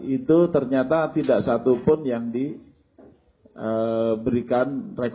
itu ternyata tidak satu pun yang diberikan